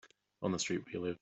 On the street where you live.